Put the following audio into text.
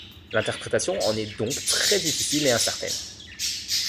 L'interprétation en est donc très difficile et incertaine.